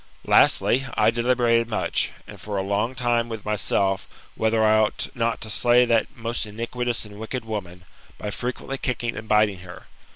Lastly, I deliberated much, and for a long time with myself, whether I ought not to slay that most iniquitous and wicked woman, by frequently kicking and biting her.